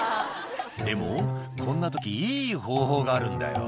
「でもこんな時いい方法があるんだよ」